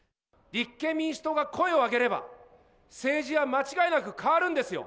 立憲民主党が声を上げれば、政治は間違いなく変わるんですよ。